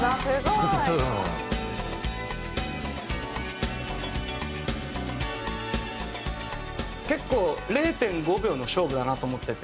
「すごい！」結構０．５秒の勝負だなと思ってて。